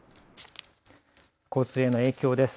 交通への影響です。